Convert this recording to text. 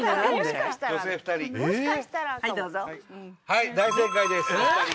はい大正解です。